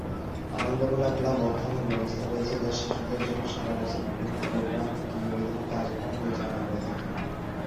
আনন্দমেলা club অর্থায়নের ব্যবস্থা রয়েছে যা শিশুদের জন্য সারা বছর বিভিন্ন প্রোগ্রাম, প্রতিযোগিতা এবং কার্যক্রম পরিচালনা করে থাকে।